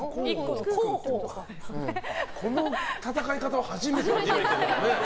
この戦い方はは初めてですね。